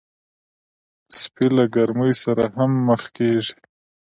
سپي له ګرمۍ سره هم مخ کېږي.